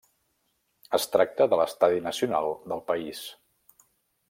Es tracta de l'estadi nacional del país.